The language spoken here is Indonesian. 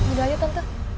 udah ya tante